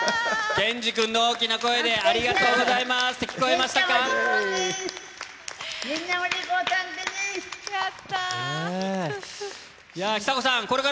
ケンジくんの大きな声でありがとうございますって、聞こえましたか？